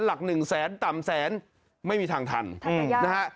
หลักหนึ่งแสนต่ำแสนไม่มีทางทันนะฮะ